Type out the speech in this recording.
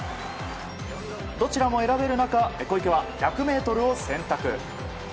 どちらも選べる中小池は１００ｍを選択。